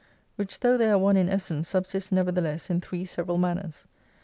Which though they are one in essence subsist nevertheless in three several manners.